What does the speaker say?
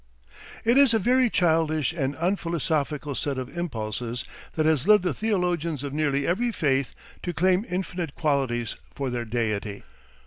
It is a very childish and unphilosophical set of impulses that has led the theologians of nearly every faith to claim infinite qualities for their deity.